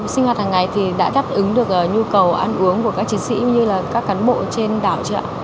sinh hoạt hàng ngày thì đã đáp ứng được nhu cầu ăn uống của các chiến sĩ cũng như là các cán bộ trên đảo chị ạ